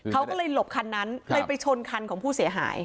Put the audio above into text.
เขาก็เลยหลบคันนั้นเลยไปชนคันของผู้เสียหาย